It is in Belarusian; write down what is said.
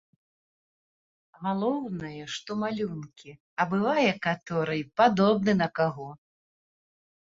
Галоўнае, што малюнкі, а бывае каторы й падобны на каго.